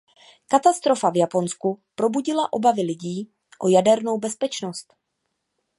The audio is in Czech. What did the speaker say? Katastrofa v Japonsku probudila obavy lidí o jadernou bezpečnost.